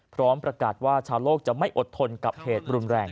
พร้อมประกาศว่าชาวโลกจะไม่อดทนกับเหตุรุนแรง